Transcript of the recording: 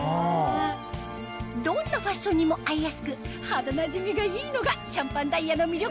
どんなファッションにも合いやすく肌なじみがいいのがシャンパンダイヤの魅力